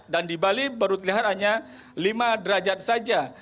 dan di bali baru terlihat hanya lima derajat saja